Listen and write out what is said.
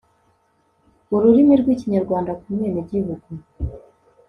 ururimi rw'ikinyarwanda ku mwenegihugu